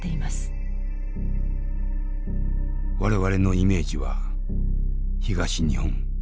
「我々のイメージは東日本壊滅ですよ」。